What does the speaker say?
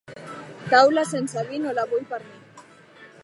Taula sense vi no la vull per a mi.